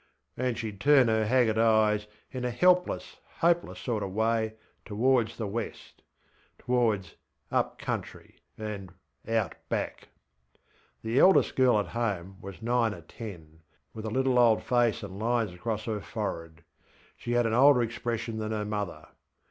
ŌĆÖ And sheŌĆÖd turn her haggard eyes in a helpless, hopeless sort of way towards the westŌĆötowards ŌĆÖup countryŌĆÖ and ŌĆśOut BackŌĆÖ. The eldest girl at home was nine or ten, with a little old face and lines across her forehead: she had an older expression than her mother.